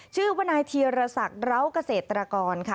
ชื่อว่านายเทียรสักเดราเกษตรกรค่ะ